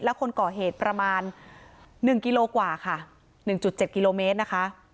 และคนก่อเหตุประมาณ๑กิโลกว่าค่ะ๑๗กิโลเมตรนะคะ